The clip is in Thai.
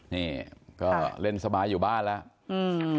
นี่ก็เล่นสบายอยู่บ้านแล้วอืม